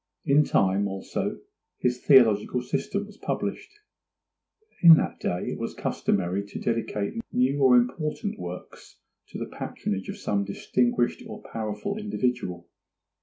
In time, also, his theological system was published. In that day it was customary to dedicate new or important works to the patronage of some distinguished or powerful individual.